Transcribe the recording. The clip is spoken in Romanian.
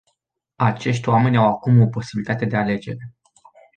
Acești oameni au acum o posibilitate de alegere.